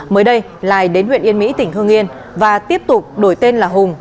mới đây lài đến huyện yên mỹ tỉnh hương yên và tiếp tục đổi tên là hùng